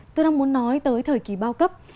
tôi đang muốn nói tới thời kỳ bao cấp